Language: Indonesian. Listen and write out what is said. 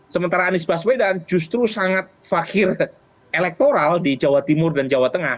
sementara anies baswedan justru sangat fakir elektoral di jawa timur dan jawa tengah